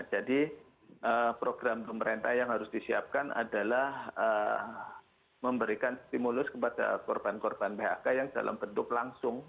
jadi program pemerintah yang harus disiapkan adalah memberikan stimulus kepada korban korban phk yang dalam bentuk langsung